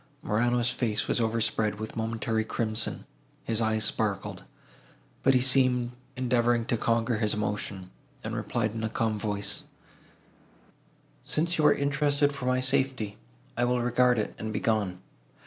Morano's face was overspread with a momentary crimson, his eyes sparkled, but he seemed endeavouring to conquer his emotion, and replied in a calm voice, "Since you are interested for my safety, I will regard it, and be gone.